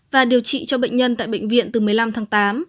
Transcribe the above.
và điều trị cho bệnh nhân tại bệnh viện từ một mươi năm tháng tám